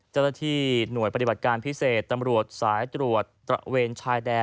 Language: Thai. เจ้าหน้าที่หน่วยปฏิบัติการพิเศษตำรวจสายตรวจตระเวนชายแดน